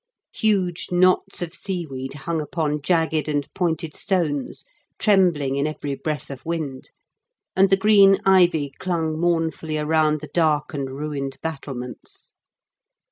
Huge knots of seaweed hung upon jagged and pointed stones, trembling in every breath of wind ; and the green ivy clung mournfully around the dark and ruined battlements.